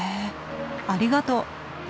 ありがとう。